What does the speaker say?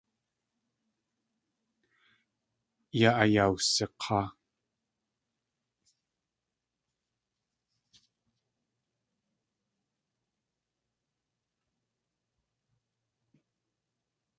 Yóo ayawsik̲aa.